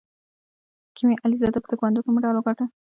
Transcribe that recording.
کیمیا علیزاده په تکواندو کې مډال وګاټه.